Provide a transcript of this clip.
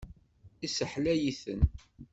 Isseḥlay-iten.